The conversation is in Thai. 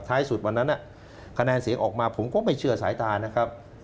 สุดวันนั้นคะแนนเสียงออกมาผมก็ไม่เชื่อสายตานะครับ